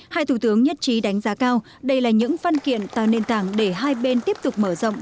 hai thủ tướng nhất trí đánh giá cao đây là những văn kiện tạo nền tảng để hai bên tiếp tục mở rộng